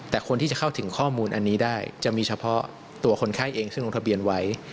แต่คนที่จะเข้าถึงข้อมูลอันนี้ได้จะมีเฉพาะตัวคนไข้เองซึ่งลงทะเบียนไว้